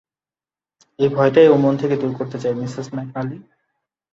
এই ভয়টাই ওর মন থেকে দূর করতে চাই, মিসেস ম্যাকনালি।